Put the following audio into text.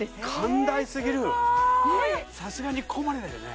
寛大すぎるさすがにここまでだよね？